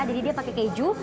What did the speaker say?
jadi dia pakai keju